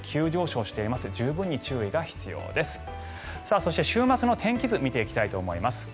そして週末の天気図を見ていきたいと思います。